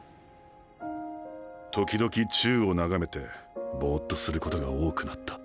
時々宙を眺めてぼうとすることが多くなった。